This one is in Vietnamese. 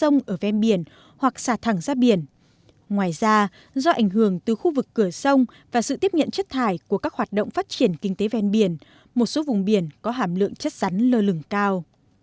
ngoài ra do ảnh hưởng từ khu vực cửa sông và sự tiếp nhận chất thải của các hoạt động phát triển kinh tế ven biển một số vùng biển có hàm lượng chất sắn lơ lửng cao